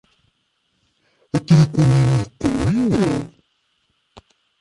Atriku-nni-inu yeqqel mi yurad.